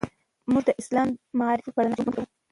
موږ د اسلامي معارفو په رڼا کې ژوند کوو.